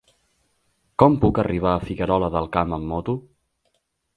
Com puc arribar a Figuerola del Camp amb moto?